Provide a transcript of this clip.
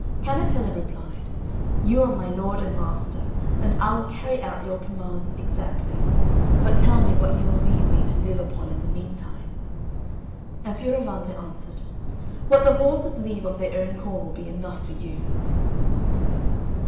Cannetella replied, "You are my lord and master, and I will carry out your commands exactly, but tell me what you will leave me to live upon in the meantime." And Fioravante answered, "What the horses leave of their own corn will be enough for you."